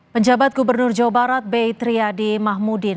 penjabat gubernur jawa barat b triadi mahmudin